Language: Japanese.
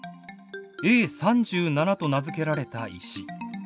「Ａ３７」と名付けられた石。